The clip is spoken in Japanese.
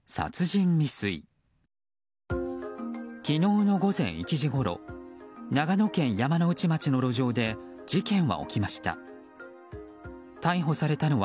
昨日の午前１時ごろ長野県山ノ内町の路上で事件は起きました。